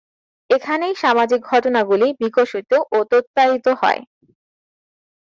এখানেই সামাজিক ঘটনাগুলি বিকশিত ও তত্ত্বায়িত হয়।